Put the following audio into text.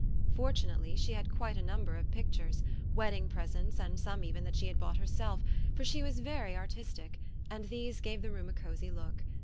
Fortunately she had quite a number of pictures, wedding presents and some even that she had bought herself, for she was very artistic, and these gave the room a cosy look.